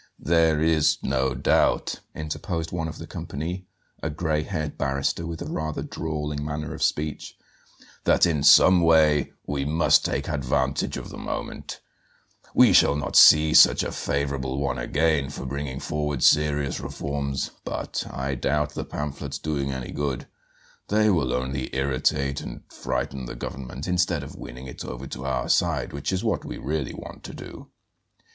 "There is no doubt," interposed one of the company, a gray haired barrister with a rather drawling manner of speech, "that in some way we must take advantage of the moment. We shall not see such a favourable one again for bringing forward serious reforms. But I doubt the pamphlets doing any good. They will only irritate and frighten the government instead of winning it over to our side, which is what we really want to do.